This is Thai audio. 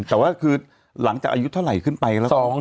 แต่ว่าคือหลังจากอายุเท่าไหร่ขึ้นไปแล้ว